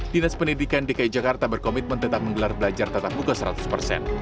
dinas pendidikan dki jakarta berkomitmen tetap menggelar belajar tetap muka seratus persen